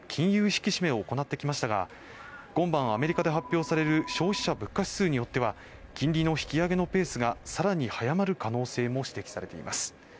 引き締めを行ってきましたが今晩アメリカで発表される消費者物価指数によっては金利の引き上げのペースがさらに早まる可能性も指摘されています